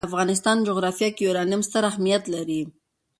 د افغانستان جغرافیه کې یورانیم ستر اهمیت لري.